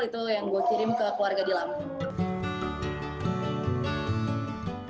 itu yang gue kirim ke keluarga di lampung